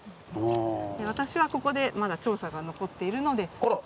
私はここでまだ調査が残っているので。